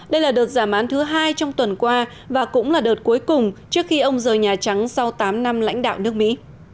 đây là đợt giảm án thứ hai trong tuần qua và cũng là đợt cuối cùng trước khi ông rời nhà trắng sau tám năm lãnh đạo nước mỹ